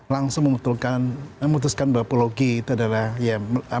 langsung memutuskan bahwa pulau g itu adalah ya